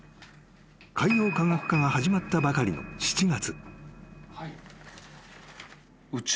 ［海洋科学科が始まったばかりの７月］